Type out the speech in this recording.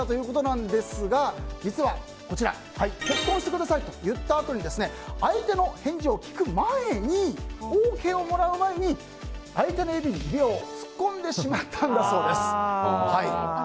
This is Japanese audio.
設楽さんの予想はトンビが取って行ったということですが実は、結婚してくださいと言ったあとに相手の返事を聞く前にＯＫをもらう前に相手の指に指輪を突っ込んでしまったんだそうです。